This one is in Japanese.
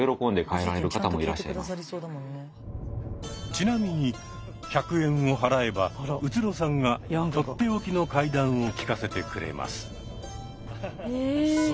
ちなみに１００円を払えば宇津呂さんが取って置きの怪談を聞かせてくれます。